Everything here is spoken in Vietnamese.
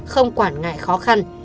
không quản ngại khó khăn